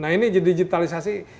nah ini jadi digitalisasi